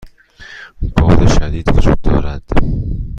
باد شدید وجود دارد.